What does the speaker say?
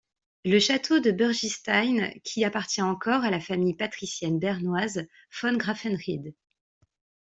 Le Château de Burgistein qui appartient encore à la famille patricienne bernoise von Graffenried.